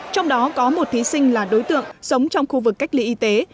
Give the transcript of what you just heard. trong đó có một thí sinh là đối tượng sống trong khu vực cách ly y tế